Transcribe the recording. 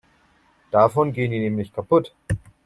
Davon gehen die nämlich kaputt.